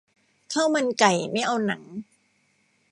ข้าวมันไก่ ไม่เอาหนัง